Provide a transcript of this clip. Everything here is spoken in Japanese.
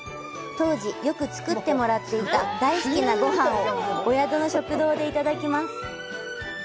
当時、よく作ってもらっていた大好きなごはんをお宿の食堂でいただきます。